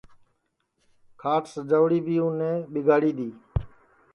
کھاٹ سجاوڑا بی اُنے ٻیگاڑی دؔی